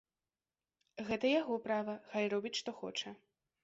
Гэта яго права, хай робіць, што хоча.